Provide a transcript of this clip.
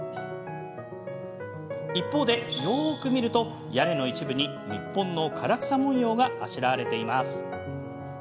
一方で、よく見ると屋根の一部に日本の唐草紋様があしらわれています。